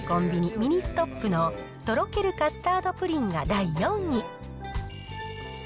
ミニストップのとろけるカスタードプリンです。